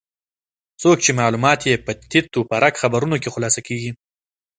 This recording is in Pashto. څوک چې معلومات یې په تیت و پرک خبرونو خلاصه کېږي.